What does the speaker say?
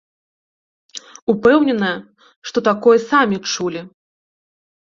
Упэўненая, што такое самі чулі.